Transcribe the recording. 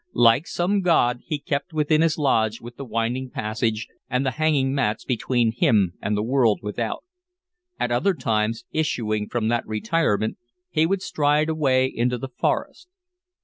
Like some god, he kept within his lodge with the winding passage, and the hanging mats between him and the world without. At other times, issuing from that retirement, he would stride away into the forest.